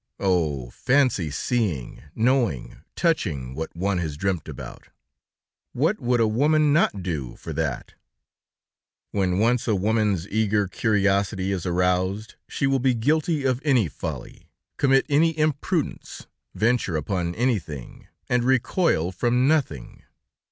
Oh! Fancy seeing, knowing, touching what one has dreamt about! What would a woman not do for that? When once a woman's eager curiosity is aroused, she will be guilty of any folly, commit any imprudence, venture upon anything, and recoil from nothing.